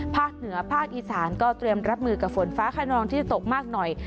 ภาคเหนือภาคอีสานก็เตรียมรับมือกับฝนฟ้าขนองที่ตกมากหน่อย